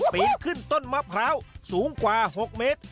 ปีนขึ้นต้นมะพร้าวสูงกว่า๖เมตร